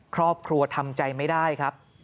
ครอบครัวทำใจไม่ได้ครับ